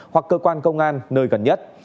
hoặc cơ quan công an nơi gần nhất